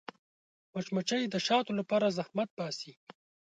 مچمچۍ د شاتو لپاره زحمت باسي